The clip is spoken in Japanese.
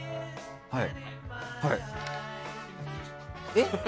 はい。